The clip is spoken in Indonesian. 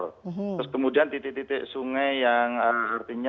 terus kemudian titik titik sungai yang artinya